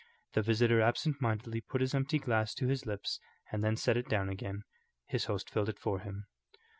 The visitor absent mindedly put his empty glass to his lips and then set it down again. His host filled it for him.